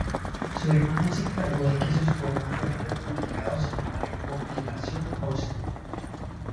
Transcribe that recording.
Su hermano se encargó de que sus poemas fueran publicados en una recopilación póstuma.